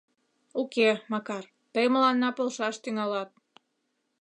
Уке, Макар, тый мыланна полшаш тӱҥалат.